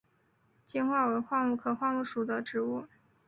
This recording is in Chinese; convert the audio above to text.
坚桦为桦木科桦木属的植物。